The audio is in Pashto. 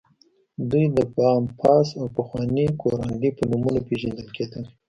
دوی د پامپاس او پخواني کوراندي په نومونو پېژندل کېدل.